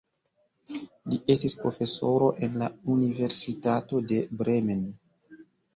Li estis profesoro en la Universitato de Bremen.